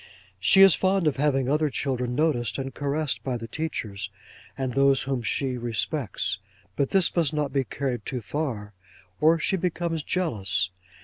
'She is fond of having other children noticed and caressed by the teachers, and those whom she respects; but this must not be carried too far, or she becomes jealous.